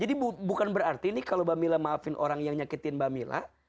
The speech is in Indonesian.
jadi bukan berarti ini kalau mbak mila maafin orang yang menyakitin mbak mila